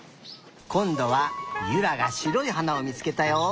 こんどはゆらがしろいはなをみつけたよ。